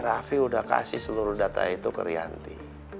si raffi udah kasih seluruh data itu ke rianti